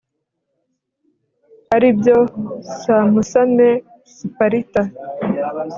ari byo sampusame, siparita